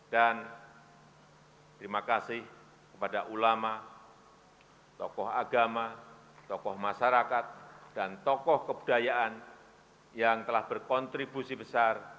dan terima kasih kepada ulama tokoh agama tokoh masyarakat dan tokoh kebudayaan yang telah berkontribusi besar